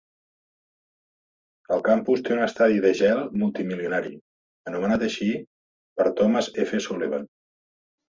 El campus té un estadi de gel multimilionari, anomenat així per Thomas F. Sullivan.